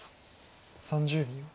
３０秒。